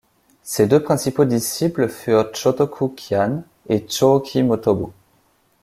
Ses deux principaux disciples furent Chotoku Kyan, et Chōki Motobu.